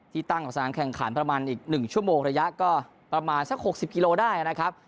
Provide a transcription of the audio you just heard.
ที่ตั้งกับสนามแข่งขันประมาณอีก๑ชั่วโมงระยะก็ประมาณสัก๖๐กิโลได้นะครับ